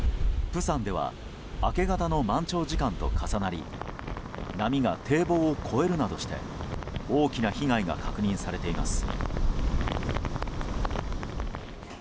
釜山では明け方の満潮時間と重なり波が堤防を越えるなどして大きな被害が確認されています。